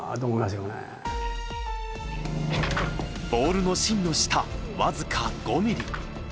ボールの芯の下僅か５ミリ。